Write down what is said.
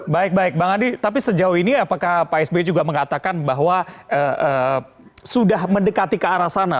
baik baik bang adi tapi sejauh ini apakah pak sby juga mengatakan bahwa sudah mendekati ke arah sana